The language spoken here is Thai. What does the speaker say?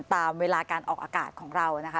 ตามเวลาการออกอากาศของเรานะคะ